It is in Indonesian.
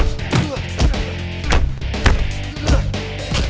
sensen kanan dia sensen